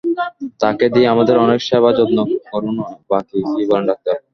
তাকে দিয়ে আমাদের অনেক সেবা যত্ন করানো বাকী, কী বলেন ডাক্তার?